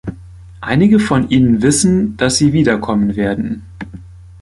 Einige von Ihnen wissen, dass sie wiederkommen werden.